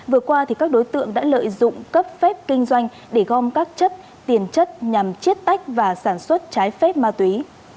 vừa qua các đối tượng đã lợi dụng cấp phép kinh doanh để gom các chất tiền chất nhằm chiết tách và sản xuất trái phép ma túy